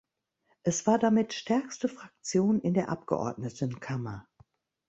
Es war damit stärkste Fraktion in der Abgeordnetenkammer.